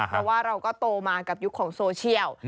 เพราะว่าเราก็โตมากับยุคของโซเชียล